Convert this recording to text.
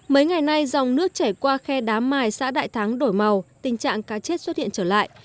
mấy ngày nay dòng nước chảy qua khe đá mài xã đại thắng đổi màu tình trạng cá chết xuất hiện trở lại